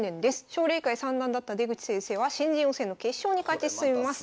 奨励会三段だった出口先生は新人王戦の決勝に勝ち進みます。